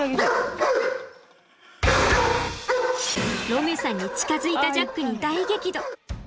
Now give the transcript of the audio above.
ロミュさんに近づいたジャックに大激怒。